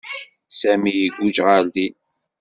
Sami iguǧǧ ɣer din.